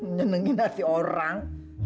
menyenengin hati orang